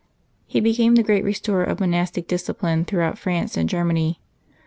He became the great restorer of monastic discipline throughout France and Germany.